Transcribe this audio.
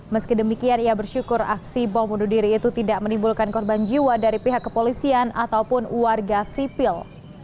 meski demikian ia bersyukur aksi bom bunuh diri itu tidak menimbulkan korban jiwa dari pihak kepolisian ataupun warga sipil